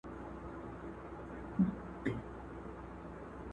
لمر به بیا راخیژي.